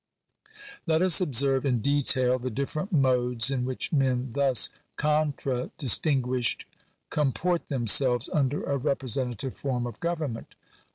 Let us observe, in detail, the different modes in which men thus contradistinguished comport themselves under a representative form of government.